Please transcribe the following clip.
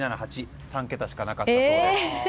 ３桁しかなかったそうです。